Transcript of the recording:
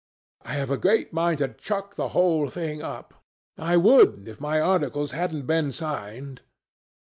I have a great mind to chuck the whole thing up. I would, if my articles hadn't been signed."